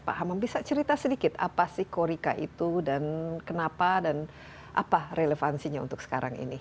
pak hamam bisa cerita sedikit apa sih korika itu dan kenapa dan apa relevansinya untuk sekarang ini